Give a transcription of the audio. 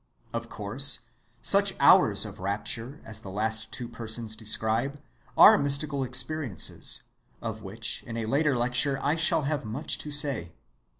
Of course such hours of rapture as the last two persons describe are mystical experiences, of which in a later lecture I shall have much to say.